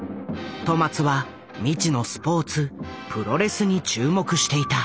戸松は未知のスポーツプロレスに注目していた。